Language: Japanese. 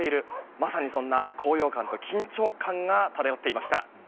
まさに、そんな高揚感と緊張感が漂っていました。